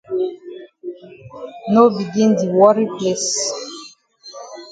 No begin di worry place.